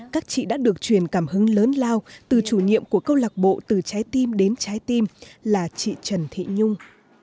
các chị đã được truyền cảm hứng lớn lao từ chủ nhiệm của câu lạc bộ từ trái tim đến trái tim là chị trần thị nhung